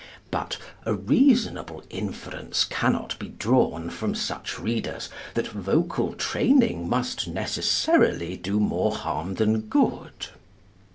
But a reasonable inference cannot be drawn from such readers that vocal training must necessarily do more harm than good.